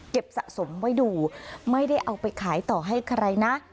สะสมไว้ดูไม่ได้เอาไปขายต่อให้ใครนะ